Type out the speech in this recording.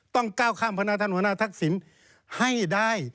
ต้องก้าวข้ามพนักท่านหัวหน้าทักษิณให้ได้